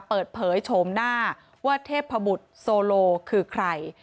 เปิดเผยโชมหน้าว่าเทพบุตรโซโลคือใคร